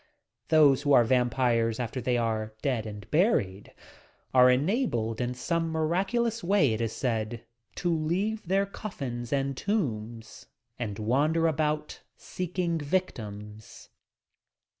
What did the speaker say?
Those who are vampires after they are dead and buried are enabled in some miraculous way, it is said, to leave their cofiins and tombs and wander about seek ing victims.